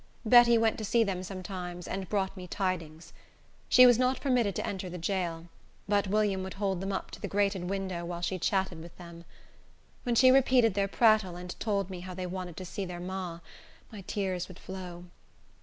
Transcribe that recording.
Betty went to see them sometimes, and brought me tidings. She was not permitted to enter the jail; but William would hold them up to the grated window while she chatted with them. When she repeated their prattle, and told me how they wanted to see their ma, my tears would flow.